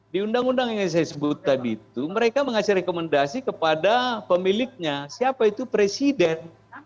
di undang undang yang saya sebut tadi itu mereka mengasih rekomendasi kepada pemiliknya siapa itu presiden